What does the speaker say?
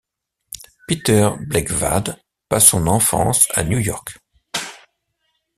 Peter Blegvad passe son enfance à New York.